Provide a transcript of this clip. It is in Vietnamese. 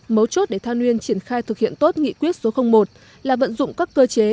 mấu chốt để than uyên triển khai thực hiện tốt nghị quyết số một là vận dụng các cơ chế